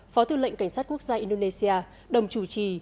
phó tư lệnh cảnh sát quốc gia indonesia đồng chủ trì